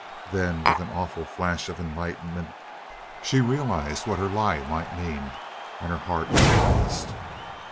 Then with an awful flash of enlightenment she realized what her lie might mean, and her heart paused.